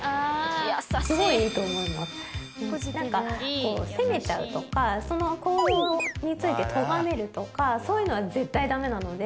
なんかこう責めちゃうとかその行動についてとがめるとかそういうのは絶対ダメなので。